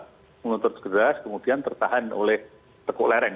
menuntut segera kemudian tertahan oleh tekuk lereng